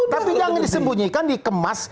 tapi jangan disembunyikan dikemas